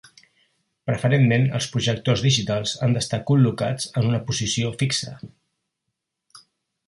Preferentment, els projectors digitals han d'estar col·locats en una posició fixa.